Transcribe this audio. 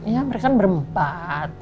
ya mereka kan berempat